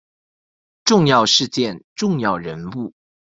重要事件重要人物